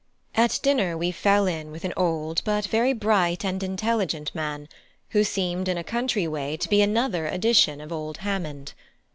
At dinner we fell in with an old, but very bright and intelligent man, who seemed in a country way to be another edition of old Hammond.